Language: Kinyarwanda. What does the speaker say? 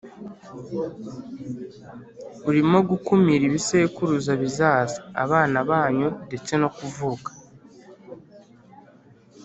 urimo gukumira ibisekuruza bizaza, abana banyu, ndetse no kuvuka.